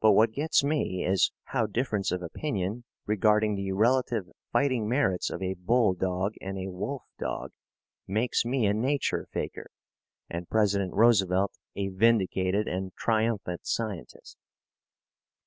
But what gets me is how difference of opinion regarding the relative fighting merits of a bull dog and a wolf dog makes me a nature faker and President Roosevelt a vindicated and triumphant scientist.